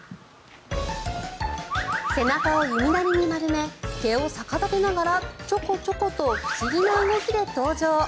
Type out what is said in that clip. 背中を弓なりに丸め毛を逆立てながらチョコチョコと不思議な動きで登場。